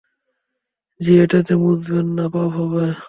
জি, এটাতে মুছবেন না পাপ হবে।